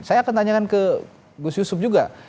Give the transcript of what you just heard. saya akan tanyakan ke gus yusuf juga